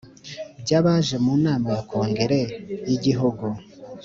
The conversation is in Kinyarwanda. By abaje mu nama ya kongere y igihugu